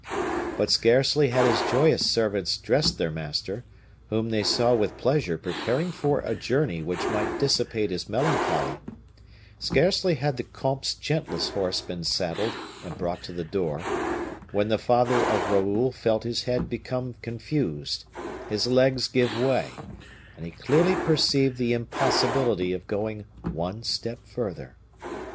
But scarcely had his joyous servants dressed their master, whom they saw with pleasure preparing for a journey which might dissipate his melancholy; scarcely had the comte's gentlest horse been saddled and brought to the door, when the father of Raoul felt his head become confused, his legs give way, and he clearly perceived the impossibility of going one step further.